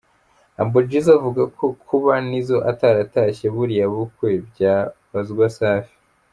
Humble Jizzo avuga ko "kuba Nizzo ataratashye buriya bukwe byabazwa Safi".